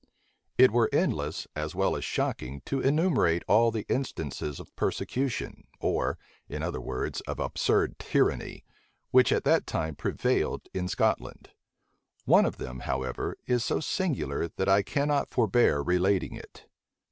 [] It were endless, as well as shocking, to enumerate all the instances of persecution, or, in other words, of absurd tyranny, which at that time prevailed in Scotland. One of them, however, is so singular, that I cannot forbear relating it.